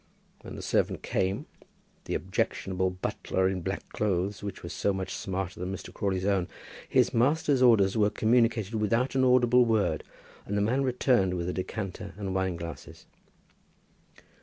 When the servant came, the objectionable butler in black clothes that were so much smarter than Mr. Crawley's own, his master's orders were communicated without any audible word, and the man returned with a decanter and wine glasses.